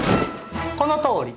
このとおり！